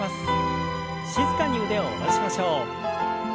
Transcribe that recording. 静かに腕を下ろしましょう。